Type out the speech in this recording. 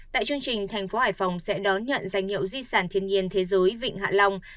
tại chương trình thành phố hải phòng sẽ đón nhận danh hiệu di sản thiên nhiên thế giới vịnh hạ long